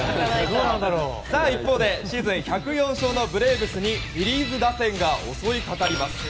一方、シーズン１０４勝のブレーブスにフィリーズ打線が襲いかかります。